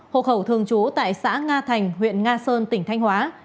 hộ khẩu thường trú tại xã nga thành huyện nga sơn tỉnh thanh hóa